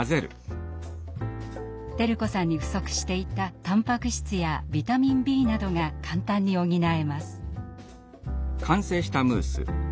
輝子さんに不足していたタンパク質やビタミンＢなどが簡単に補えます。